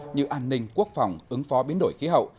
như an ninh quốc phòng ứng phó biến đổi khí hậu